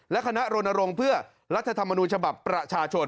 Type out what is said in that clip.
และคณะรณรงค์เพื่อรัฐธรรมนูญฉบับประชาชน